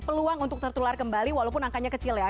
peluang untuk tertular kembali walaupun angkanya kecil ya